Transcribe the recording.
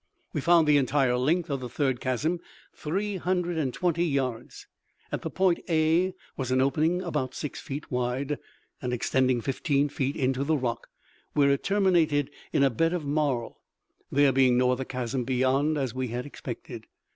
We found the entire length of the third chasm three hundred and twenty yards. At the point a was an opening about six feet wide, and extending fifteen feet into the rock, where it terminated in a bed of marl, there being no other chasm beyond, as we had expected.